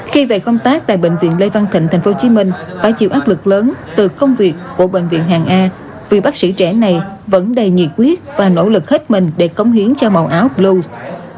khi về công tác tại bệnh viện lê văn thịnh tp hcm phải chịu áp lực lớn từ công việc của bệnh viện hàng a vì bác sĩ trẻ này vẫn đầy nhiệt huyết và nỗ lực hết mình để cống hiến cho màu áo blue